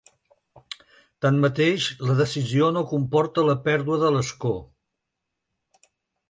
Tanmateix, la decisió no comporta la pèrdua de l’escó.